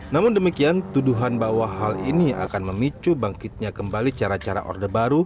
namun demikian tuduhan bahwa hal ini akan memicu bangkitnya kembali cara cara orde baru